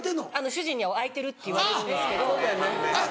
主人には開いてるって言われるんですけど。